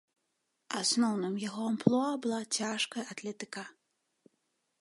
Асноўным яго амплуа была цяжкая атлетыка.